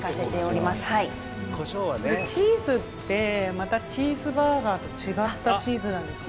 チーズってまたチーズバーガーと違ったチーズなんですか？